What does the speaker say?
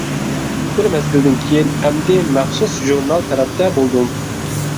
بىر مەزگىلدىن كىيىن ئەمدى مەخسۇس ژۇرنال تەرەپتە بولدۇم.